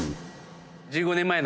１５年前の。